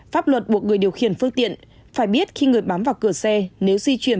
pháp luật buộc người điều khiển phương tiện phải biết khi người bám vào cửa xe nếu di chuyển